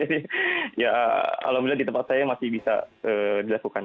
jadi ya alhamdulillah di tempat saya masih bisa dilakukan